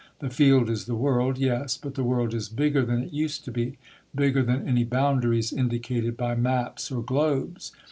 The field is the world, yes; but the world is bigger than it used to be, bigger than any boundaries indicated by maps or globes.